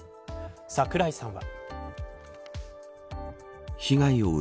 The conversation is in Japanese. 櫻井さんは。